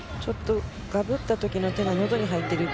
がぶった時の手が喉に入っている。